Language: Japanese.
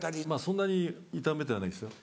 そんなに痛めてはないですよ。